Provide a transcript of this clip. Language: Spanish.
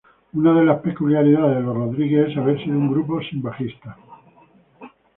Una de las peculiaridades de Los Rodríguez es haber sido un grupo sin bajista.